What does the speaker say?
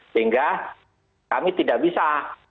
sehingga kami tidak bisa